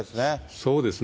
そうですね。